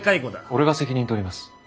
俺が責任取ります。